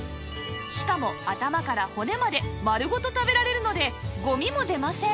しかも頭から骨まで丸ごと食べられるのでゴミも出ません